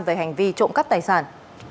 về hành vi trộm cắp tài sản